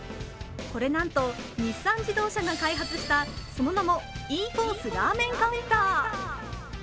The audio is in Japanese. これなんと日産自動車が開発したその名もｅフォースラーメンカウンター。